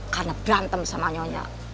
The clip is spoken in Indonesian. karena berganteng sama nyonya